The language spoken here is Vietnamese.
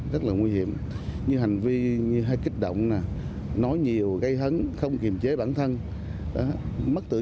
rất là nguy hiểm như hành vi hay kích động nói nhiều gây hấn không kiềm chế bản thân mất tử